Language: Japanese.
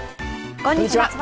こんにちは。